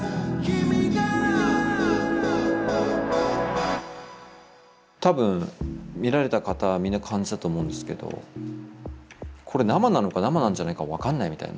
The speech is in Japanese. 「君が」多分見られた方みんな感じたと思うんですけど「これ生なのか生なんじゃないか分かんない」みたいな。